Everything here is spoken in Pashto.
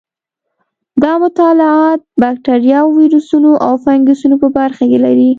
دا مطالعات بکټریاوو، ویروسونو او فنګسونو په برکې لري.